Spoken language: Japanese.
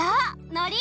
のり！